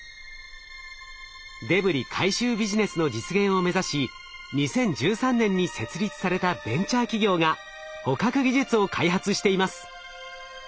デブリ回収ビジネスの実現を目指し２０１３年に設立されたベンチャー企業が捕獲技術を開発しています。